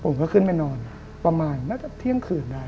ผมก็ขึ้นไปนอนประมาณน่าจะเที่ยงคืนได้